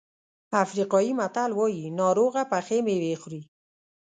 افریقایي متل وایي ناروغه پخې مېوې خوري.